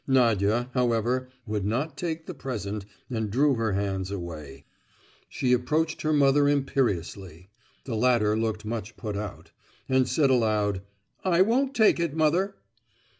Nadia, however, would not take the present, and drew her hands away. She approached her mother imperiously (the latter looked much put out), and said aloud: "I won't take it, mother."